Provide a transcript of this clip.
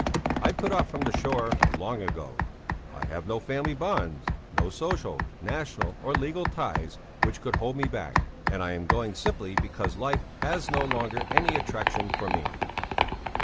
I put off from the shore long ago; I have no family bonds, no social, national, or legal ties which could hold me back, and I'm going simply because life has no longer any attraction for me.